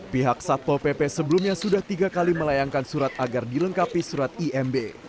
pihak satpol pp sebelumnya sudah tiga kali melayangkan surat agar dilengkapi surat imb